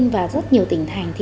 và rất nhiều tỉnh thành